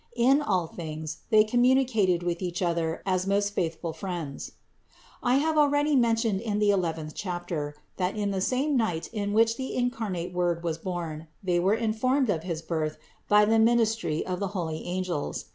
In all things they communicated with each other as most faithful friends. 554. I have already mentioned in the eleventh chapter (No. 492) that in the same night in which the incarnate Word was born, they were informed of his Birth by the ministry of the holy angels.